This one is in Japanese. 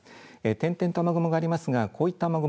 点々と雨雲がありますがこういった雨雲